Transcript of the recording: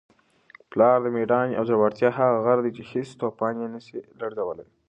پلار د مېړانې او زړورتیا هغه غر دی چي هیڅ توپان یې نسي لړزولی.